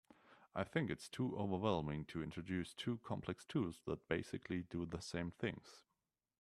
I think it’s too overwhelming to introduce two complex tools that basically do the same things.